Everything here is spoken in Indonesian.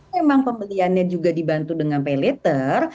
memang pembeliannya juga dibantu dengan pay letter